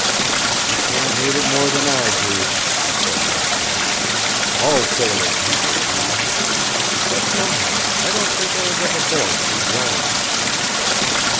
"You can't hate it more than I do," he said laughing. "All sailors hate the sea. But somehow, I don't think I was ever born to be drowned."